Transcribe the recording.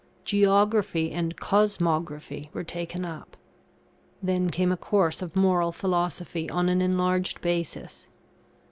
Geography and Cosmography were taken up. Then came a course of Moral Philosophy on an enlarged basis.